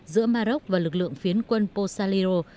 giữa maroc và lực lượng phiến quân pozalero